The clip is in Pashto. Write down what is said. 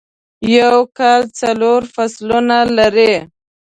یو کال څلور فصلونه لري.